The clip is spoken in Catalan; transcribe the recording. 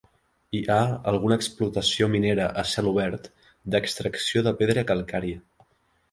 Hi ha alguna explotació minera a cel obert d'extracció de pedra calcària